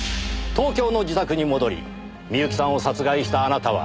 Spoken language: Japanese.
東京の自宅に戻り深雪さんを殺害したあなたは。